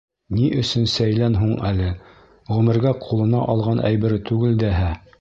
Ни өсөн сәйлән һуң әле, ғүмергә ҡулына алған әйбере түгел дәһә?!